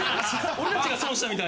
俺達が損したみたい。